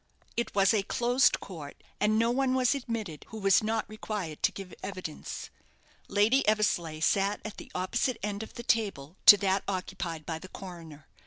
It was a closed court, and no one was admitted who was not required to give evidence. Lady Eversleigh sat at the opposite end of the table to that occupied by the coroner.